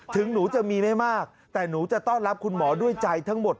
ถึงหนูจะมีได้มากแต่หนูจะต้อนรับคุณหมอด้วยใจทั้งหมด